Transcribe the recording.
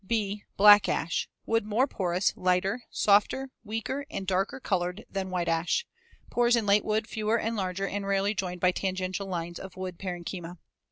(b) Black ash. Wood more porous, lighter, softer, weaker, and darker colored than white ash. Pores in late wood fewer and larger and rarely joined by tangential lines of wood parenchyma.